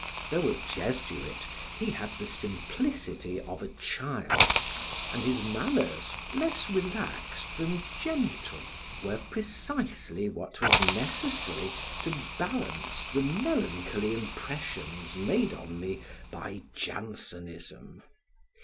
Though a Jesuit, he had the simplicity of a child, and his manners, less relaxed than gentle, were precisely what was necessary to balance the melancholy impressions made on me by Jansenism.